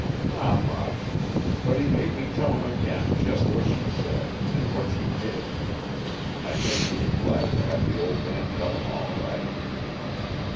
"Not much. But he made me tell him again just what she said, and what she did. I guess he was glad to have the old man tell him, all right."